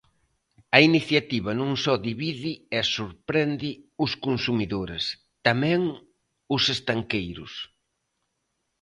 A iniciativa non só divide e sorprende os consumidores, tamén os estanqueiros.